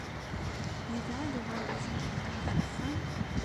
Yebɛed uɣerbaz-nwent ɣef wexxam?